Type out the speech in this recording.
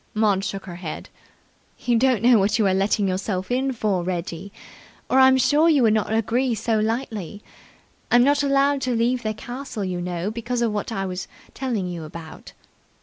Maud shook her head. "You don't know what you are letting yourself in for, Reggie, or I'm sure you wouldn't agree so lightly. I'm not allowed to leave the castle, you know, because of what I was telling you about."